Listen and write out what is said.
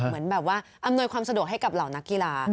เหมือนแบบว่าอำนวยความสะดวกให้กับเหล่านักกีฬา